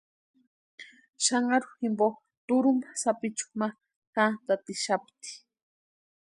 Xanharu jimpo turhumpa sapichu ma jantatixapti.